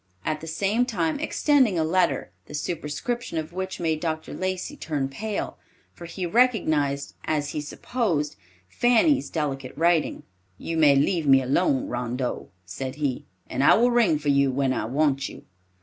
at the same time extending a letter, the superscription of which made Dr. Lacey turn pale, for he recognized, as he supposed, Fanny's delicate handwriting. "You may leave me alone, Rondeau," said he, "and I will ring for you when I want you."